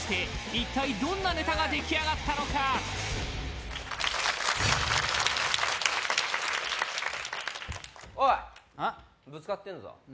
一体どんなネタができあがったのかおいぶつかってんぞはっ？